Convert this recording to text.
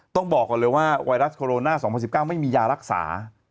ต้องบอกก่อนเลยว่าไวรัสโคโรนา๒๐๑๙ไม่มียารักษา